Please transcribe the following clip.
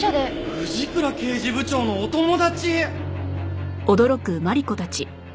藤倉刑事部長のお友達！